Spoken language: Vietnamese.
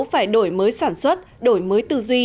phải đổi mới sản xuất đổi mới tư duy